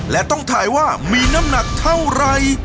และต้องถ่ายว่ามีน้ำหนักเท่าไร